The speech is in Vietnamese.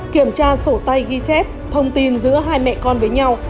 kiểm tra sổ tay ghi chép thông tin giữa hai mẹ con với nhau